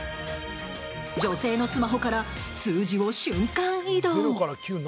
女性のスマホから数字を瞬間移動。